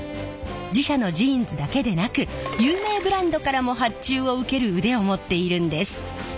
自社のジーンズだけでなく有名ブランドからも発注を受ける腕を持っているんです。